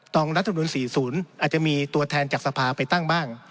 รัฐมนุน๔๐อาจจะมีตัวแทนจากสภาไปตั้งบ้าง